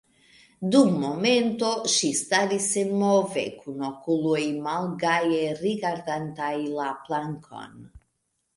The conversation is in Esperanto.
Dum momento ŝi staris senmove, kun okuloj malgaje rigardantaj la plankon.